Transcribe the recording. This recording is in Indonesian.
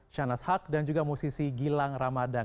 shanas haq dan juga musisi gilang ramadan